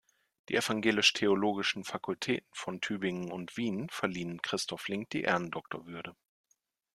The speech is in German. Die evangelisch-theologischen Fakultäten von Tübingen und Wien verliehen Christoph Link die Ehrendoktorwürde.